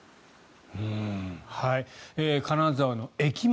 金沢の駅前